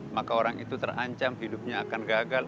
maka orang itu terancam hidupnya akan gagal